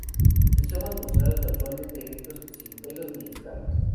Rizomas postrados a usualmente erectos, sin pelos ni escamas.